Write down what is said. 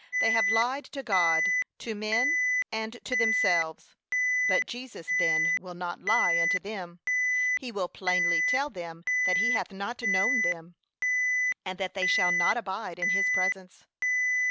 They have lied to God, to men, and to themselves; but Jesus then will not lie unto them: he will plainly tell them that he hath not known them, and that they shall not abide in his presence.